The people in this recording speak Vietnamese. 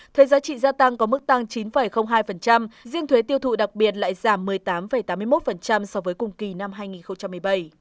thuế giá trị gia tăng có mức tăng chín hai riêng thuế tiêu thụ đặc biệt lại giảm một mươi tám tám mươi một so với cùng kỳ năm hai nghìn một mươi bảy